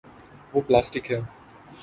وہ پلاسٹک ہے۔